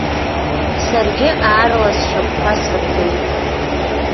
Саргьы аарла сшьапқәа сыргеит.